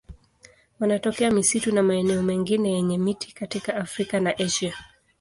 Wanatokea misitu na maeneo mengine yenye miti katika Afrika na Asia.